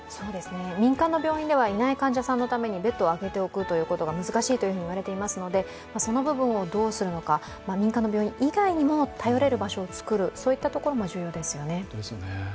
民間の病院ではいない患者さんのためにベッドを空けておくことが難しいといわれていますのでその部分をどうするのか、民間の病院以外にも頼れるところをつくることも重要ですよね。